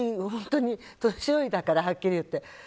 本当に年寄りだからはっきり言って。